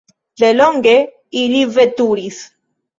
Delonge ili veturis.